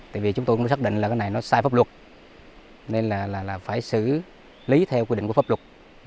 tại vì chúng tôi cũng xác định là cái này nó sai pháp luật nên là phải xử lý theo quy định của pháp luật